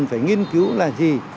phải nghiên cứu là gì